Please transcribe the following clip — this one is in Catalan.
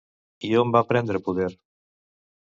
I on va prendre poder?